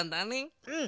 うん。